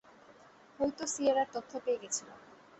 হইতো সিয়েরার তথ্য পেয়ে গেছিল।